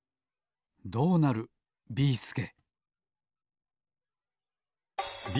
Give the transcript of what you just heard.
どうなるビーすけ